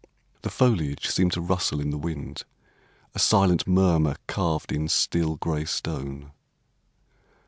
The foliage seemed to rustle in the wind, A silent murmur, carved in still, gray stone.